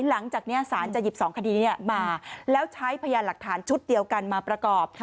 หลังจากนี้สารจะหยิบ๒คดีนี้มาแล้วใช้พยานหลักฐานชุดเดียวกันมาประกอบ